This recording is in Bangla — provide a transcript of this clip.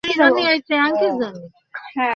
তোমাকে যথেষ্ট প্রশ্রয় দিয়েছি।